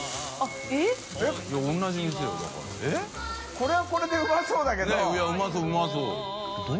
これはこれでうまそうだけど。